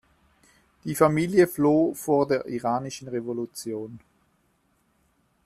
Die Familie floh vor der Iranischen Revolution.